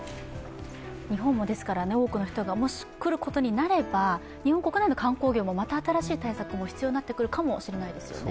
日本も多くの人が、もし来ることになれば、日本国内の観光業もまた新しい対策も必要になってくるかもしれないですよね。